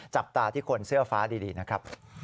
จับตาที่คนเสื้อฟ้าดีนะครับ